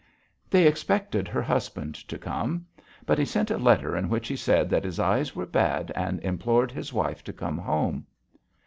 They expected her husband to come. But he sent a letter in which he said that his eyes were bad and implored his wife to come home.